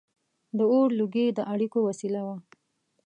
• د اور لوګي د اړیکو وسیله وه.